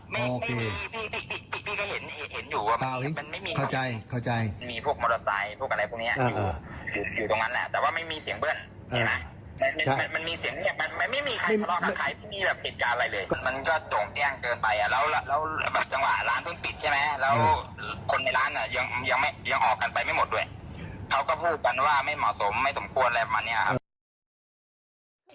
ไม่สมควรอะไรแบบนี้